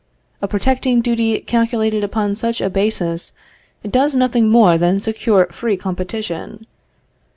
A protecting duty calculated upon such a basis does nothing more than secure free competition